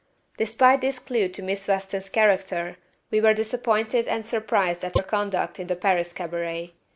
Despite this clue to Miss Weston's character, we were disappointed and surprised at her conduct in the Paris cabaret.